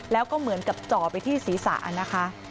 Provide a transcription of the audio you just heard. แล้วก็เหมือนกับจ่อไปที่ศีรษะนะคะ